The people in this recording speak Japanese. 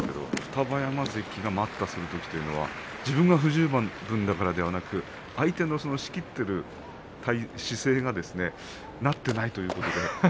双葉山関が待ったをするときには自分が不十分だからではなく相手が仕切っている姿勢になっていないと。